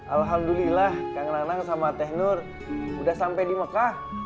alhamdulillah kang nanang sama teh nur udah sampai di mekah